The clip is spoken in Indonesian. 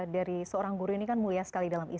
dari seorang guru ini kan mulia